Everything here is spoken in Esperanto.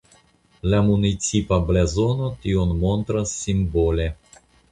La municipa blazono tion montras simbole.